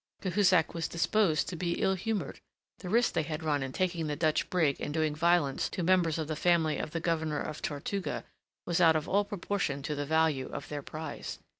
Cahusac was disposed to be ill humoured. The risk they had run in taking the Dutch brig and doing violence to members of the family of the Governor of Tortuga, was out of all proportion to the value of their prize.